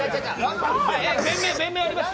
弁明ありますか？